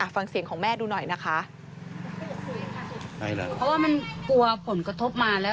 ฟังเสียงของแม่ดูหน่อยนะคะ